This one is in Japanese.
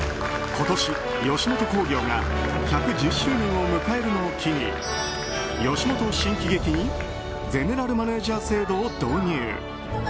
今年、吉本興業が１１０周年を迎えるのを機に吉本新喜劇にゼネラルマネジャー制度を導入。